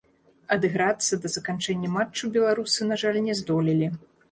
Адыграцца да заканчэння матчу беларусы, на жаль, не здолелі.